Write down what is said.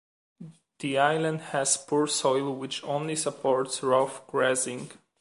The island has poor soil which only supports rough grazing.